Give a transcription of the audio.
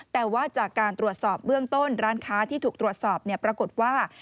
แต่ว่าจากการตรวจสอบเบื้องต้นร้านค้าที่ถูกตรวจสอบปรากฏว่า